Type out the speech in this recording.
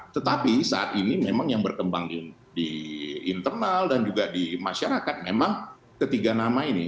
tetapi saat ini memang yang berkembang di internal dan juga di masyarakat memang ketiga nama ini